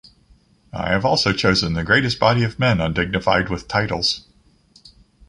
I have also chosen the greatest body of men undignified with titles.